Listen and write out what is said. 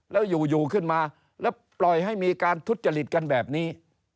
แล้วอยู่ขึ้นมาแล้วปล่อยให้มีการทุจริตกันแบบนี้